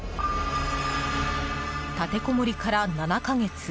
立てこもりから７か月。